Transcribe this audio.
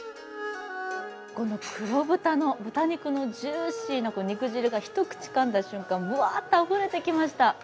この黒豚の豚肉のジューシーな肉汁が１口かんだ瞬間、ぶわーっとあふれてきました。